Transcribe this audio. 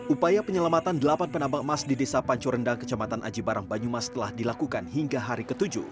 upaya penyelamatan delapan penambang emas di desa pancorendang kecamatan aji barang banyumas telah dilakukan hingga hari ke tujuh